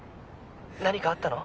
何かあったの？